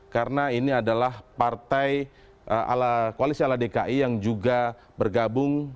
karena ini adalah partai ala koalisi ala dki yang juga bergabung